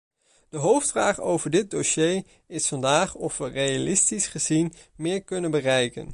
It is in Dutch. De hoofdvraag over dit dossier is vandaag of we realistisch gezien meer kunnen bereiken.